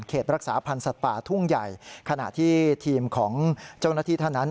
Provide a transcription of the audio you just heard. รักษาพันธ์สัตว์ป่าทุ่งใหญ่ขณะที่ทีมของเจ้าหน้าที่ท่านนั้น